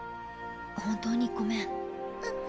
本当にごめん。っ！